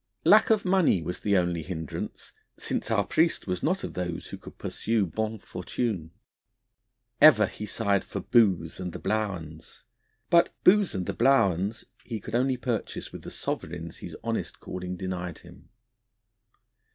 Lack of money was the only hindrance, since our priest was not of those who could pursue bonnes fortunes; ever he sighed for 'booze and the blowens,' but 'booze and the blowens' he could only purchase with the sovereigns his honest calling denied him.